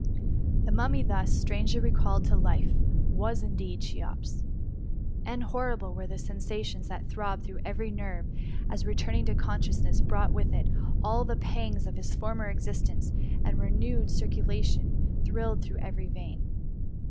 The Mummy thus strangely recalled to life, was indeed Cheops ! and horrible were the sen THE MUMMY. S51 sations that throbbed through every nerve as returning consciouEaiess brought with it all the pangs of his former existence, and renewed circu lation thrilled through every vein.